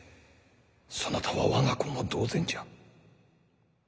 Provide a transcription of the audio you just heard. そなたは我が子も同然じゃ。